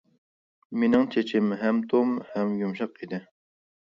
مېنىڭ چېچىم ھەم توم ھەم يۇمشاق ئىدى.